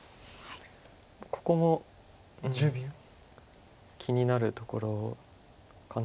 ここも気になるところかな。